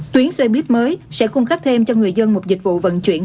tuyến xe buýt mới sẽ cung cấp thêm cho người dân một dịch vụ vận chuyển